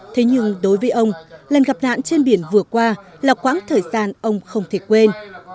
thế nhưng đối với ông lần gặp nạn trên biển vừa qua là quãng thời gian ông không thể quên